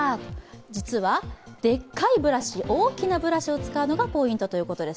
実は、でっかいブラシ、大きなブラシを使うのがポイントということです。